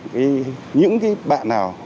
hoặc là những trường hợp